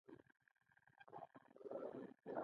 لومړۍ پوښتنه: د لویې جرګې پرېکړې څرنګه وې؟